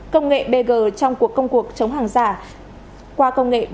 công nghệ bg trong cuộc công cuộc chống hàng giả qua công nghệ bốn